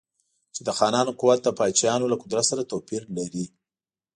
چې د خانانو قوت د پاچاهانو له قدرت سره توپیر لري.